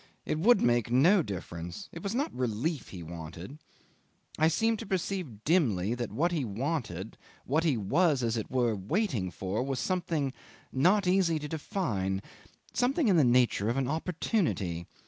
It would make no difference; it was not relief he wanted; I seemed to perceive dimly that what he wanted, what he was, as it were, waiting for, was something not easy to define something in the nature of an opportunity.